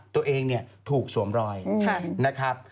ตัวเองถูกสวมรอยนะครับ